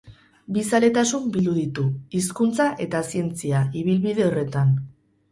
Bi zaletasun bildu ditu, hizkuntza eta zientzia, ibilbide horretan.